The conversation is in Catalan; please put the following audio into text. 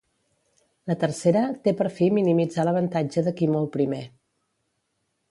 La tercera té per fi minimitzar l'avantatge de qui mou primer.